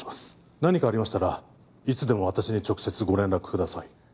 何かありましたらいつでも私に直接ご連絡ください